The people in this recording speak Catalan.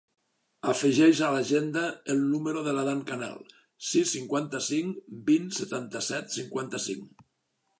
Afegeix a l'agenda el número de l'Adán Canal: sis, cinquanta-cinc, vint, setanta-set, cinquanta-cinc.